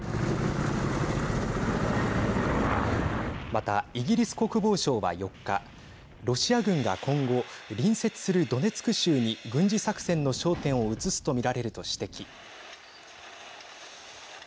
また、イギリス国防省は４日ロシア軍が今後隣接するドネツク州に軍事作戦の焦点を移すと見られると指摘。